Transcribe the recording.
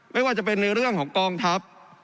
ไม่ว่าจะเป็นในเรื่องของกองทัพ